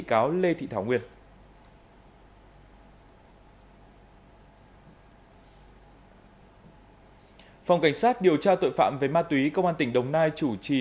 bị cáo lê thị thảo nguyên phòng cảnh sát điều tra tội phạm về ma túy công an tỉnh đồng nai chủ trì